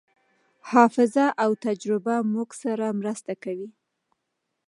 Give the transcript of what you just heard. حافظه او تجربه موږ سره مرسته کوي.